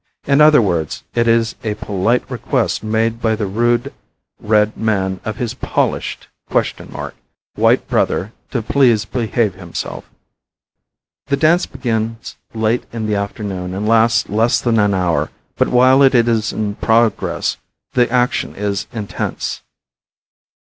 In other words it is a polite request made by the rude red man of his polished (?) white brother to please behave himself. The dance begins late in the afternoon and lasts less than one hour, but while it is in progress the action is intense.